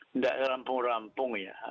tidak rampung rampung ya